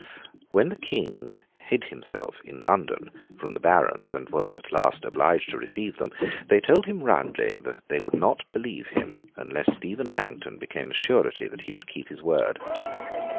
When the King hid himself in London from the Barons, and was at last obliged to receive them, they told him roundly they would not believe him unless Stephen Langton became a surety that he would keep his word.